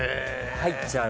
入っちゃう。